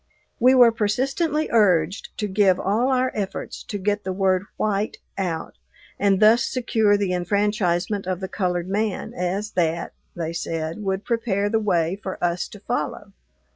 We were persistently urged to give all our efforts to get the word "white" out, and thus secure the enfranchisement of the colored man, as that, they said, would prepare the way for us to follow.